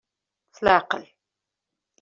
S laɛqel.